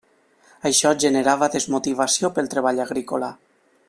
Això generava desmotivació pel treball agrícola.